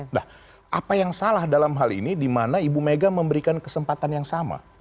nah apa yang salah dalam hal ini di mana ibu mega memberikan kesempatan yang sama